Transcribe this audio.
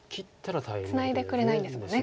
ツナいでくれないんですもんね黒。